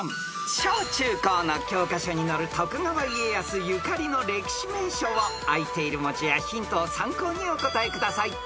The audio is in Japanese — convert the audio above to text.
［小中学校の教科書に載る徳川家康ゆかりの歴史名所をあいている文字やヒントを参考にお答えください］